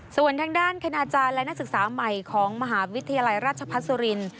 ส่วนทางด้านคณาจารย์และนักศึกษาใหม่ของมหาวิทยาลัยราชพัฒนสุรินทร์